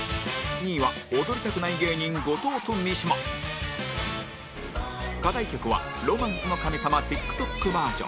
２位は踊りたくない芸人、後藤と三島課題曲は『ロマンスの神様』ＴｉｋＴｏｋ バージョン